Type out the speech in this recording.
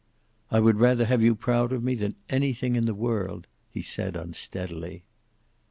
"I would rather have you proud of me than anything in the world," he said, unsteadily.